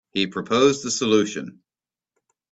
He proposed a solution.